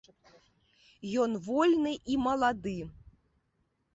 Ён вольны і малады.